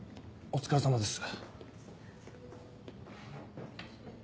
お疲れさまです。